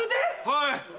はい！